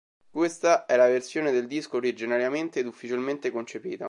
Questa è la versione del disco originariamente ed ufficialmente concepita.